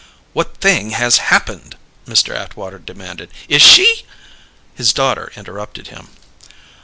"What thing has happened?" Mr. Atwater demanded. "Is she ?" His daughter interrupted him.